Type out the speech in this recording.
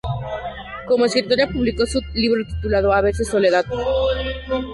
Como escritora publico su libro titulado "A veces soledad".